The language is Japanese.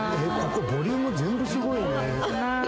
ボリューム全部すごいね。